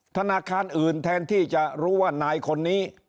ธนาคารอื่นแทนที่จะรู้ว่านายคนนี้